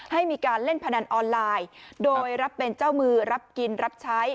ให้มีการเล่นพนันออนไลน์โดยรับเป็นเจ้ามือรับกินรับใช้